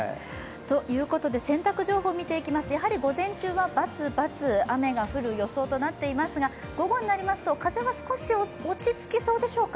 ということで、洗濯情報を見ていきますと、やはり午前中は×、×雨が降る予想となっていますが午後になりますと、風は少し落ち着きそうでしょうか。